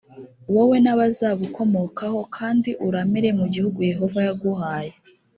wowe n’abazagukomokaho kandi uramire mu gihugu yehova yaguhaye